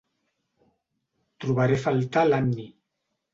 Trobaré a faltar l'Annie.